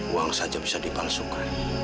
uang saja bisa dipalsukan